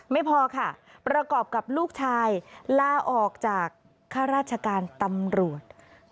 ไม่พอค่ะประกอบกับลูกชายลาออกจากข้าราชการตำรวจ